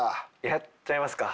やっちゃいますか。